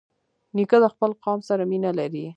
نیکه د خپل قوم سره مینه لري.